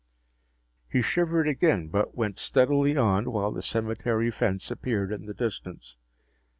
He shivered again, but went steadily on while the cemetery fence appeared in the distance.